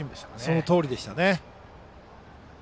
そのとおりでした。